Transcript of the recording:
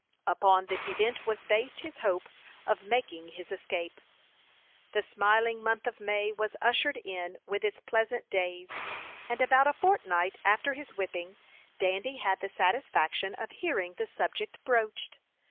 Upon this event was based his hope of making his escape. The smiling month of May was ushered in with its pleasant days, and about a fortnight after his whipping Dandy had the satisfaction of hearing the subject broached.